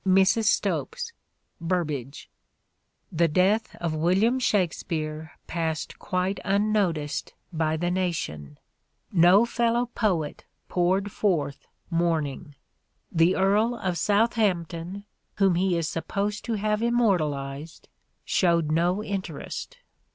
(Mrs. Stopes : Burbage). The death of William Shakspere passed quite unnoticed by the nation. No fellow poet poured forth mourning. The Earl of Southampton whom he is supposed to have immortalized showed no interest.